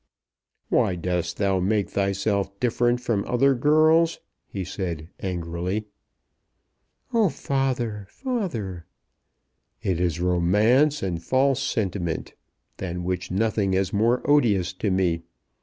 "Why dost thou make thyself different from other girls?" he said, angrily. "Oh, father, father!" "It is romance and false sentiment, than which nothing is more odious to me.